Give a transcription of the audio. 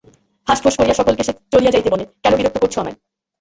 ফাঁঁসফোঁস করিয়া সকলকে সে চলিয়া যাইতে বলে, কেন বিরক্ত করছ আমায়?